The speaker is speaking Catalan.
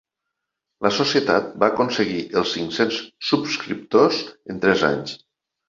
La Societat va aconseguir els cinc-cents subscriptors en tres anys.